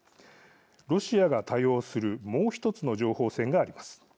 ロシアが多用するもう１つの情報戦があります。